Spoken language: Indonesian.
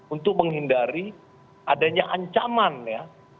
untuk menghindari adanya ancaman ya